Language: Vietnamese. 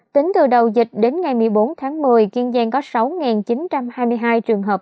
tính từ đầu dịch đến ngày một mươi bốn tháng một mươi kiên giang có sáu chín trăm hai mươi hai trường hợp